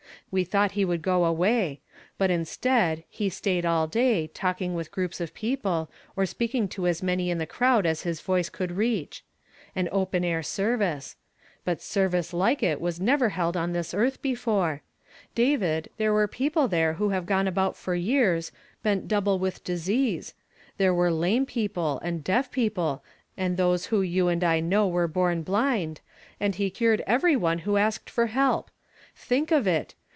We thought he would go away ; but instead, he stayed all day, talking with groups of people, or s])eaking to as many in the crowd as his voice could reach. An open air service ; l)ut service like it was never held on this earth before. David, there were peo ple there who have gone about for years, bent double Nv'ith disease ; there were lame people, and deaf people, and those who you and I know Avere born blind, and he cured every one who asked for help. Think of it